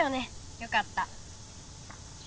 よかった。